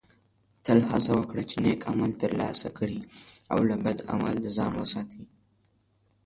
تل هڅه وکړه چې نیک عمل ترسره کړې او له بد عمله ځان وساتې